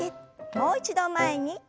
もう一度前に。